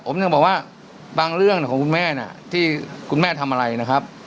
ผมถึงบอกว่าบางเรื่องของคุณแม่น่ะที่คุณแม่ทำอะไรนะครับ